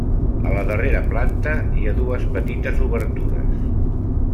A la darrera planta hi ha dues petites obertures.